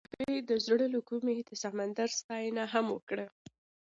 هغې د زړه له کومې د سمندر ستاینه هم وکړه.